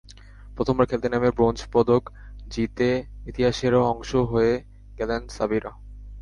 প্রথমবার খেলতে নেমে ব্রোঞ্জ পদক জিতে ইতিহাসেরও অংশ হয়ে গেলেন সাবিরা।